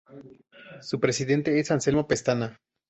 Su presidente es Anselmo Pestana.